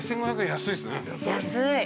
安い。